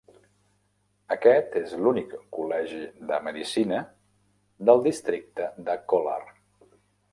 Aquest és l'únic col·legi de medicina del districte de Kolar.